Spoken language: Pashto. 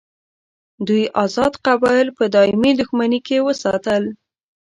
دوی آزاد قبایل په دایمي دښمني کې وساتل.